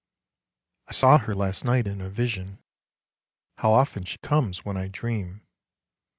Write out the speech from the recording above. I Saw her last night in a vision (How often she comes when I dream!)